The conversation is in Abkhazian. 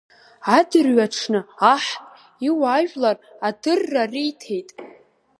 Адырҩаҽны аҳ иуаажәлар адырра риҭеит.